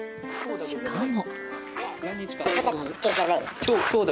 しかも。